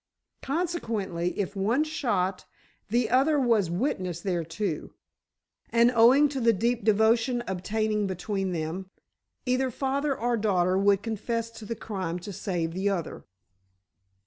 Consequently, if one shot, the other was witness thereto. And, owing to the deep devotion obtaining between them, either father or daughter would confess to the crime to save the other."